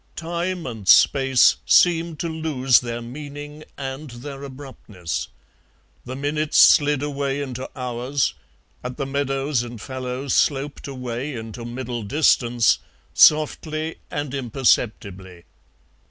Time and space seemed to lose their meaning and their abruptness; the minutes slid away into hours, and the meadows and fallows sloped away into middle distance, softly and imperceptibly.